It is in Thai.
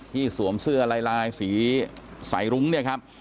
สวมเสื้อลายลายสีสายรุ้งเนี่ยครับ